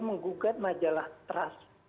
menggugat majalah trust